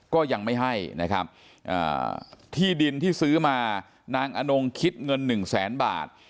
ก็ยังไม่ให้นะครับที่ดินที่ซื้อมานางอนงคิดเงินหนึ่งแสนบาท